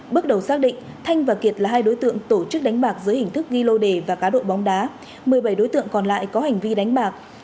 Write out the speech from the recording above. bước đầu xác định thanh và kiệt là hai đối tượng tổ chức đánh bạc dưới hình thức ghi lô đề và cá độ bóng đá một mươi bảy đối tượng còn lại có hành vi đánh bạc